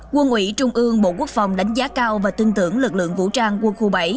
quân ủy trung ương bộ quốc phòng đánh giá cao và tư tưởng lực lượng vũ trang quân khu bảy